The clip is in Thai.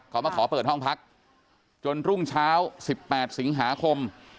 เขามาขอเปิดห้องพักจนรุ่งเช้า๑๘สิงหาคม